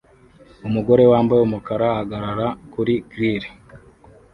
Umugore wambaye umukara ahagarara kuri grill